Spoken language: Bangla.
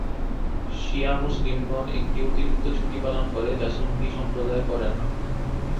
শিয়া মুসলিমগণ একটি অতিরিক্ত ছুটি পালন করে যা সুন্নি সম্প্রদায় করে না।